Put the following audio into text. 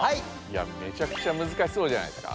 めちゃくちゃむずかしそうじゃないですか？